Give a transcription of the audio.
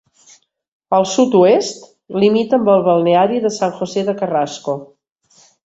Al sud-oest limita amb el balneari de San José de Carrasco.